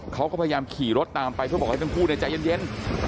เขาก็พยายามขี่รถตามไปเพื่อบอกให้ทั้งคู่ใจเย็น